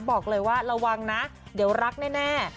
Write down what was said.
บอกเลยว่าระวังนะเดี๋ยวรักแน่